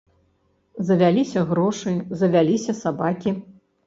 Завяліся грошы, завяліся сабакі.